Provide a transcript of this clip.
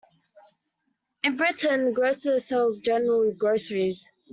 In Britain, a grocer sells general groceries